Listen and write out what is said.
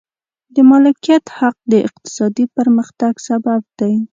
د مالکیت حق د اقتصادي پرمختګ سبب دی.